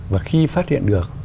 và khi phát hiện được